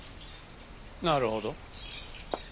なるほど。